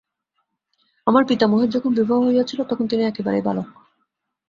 আমার পিতামহের যখন বিবাহ হইয়াছিল, তখন তিনি একেবারেই বালক।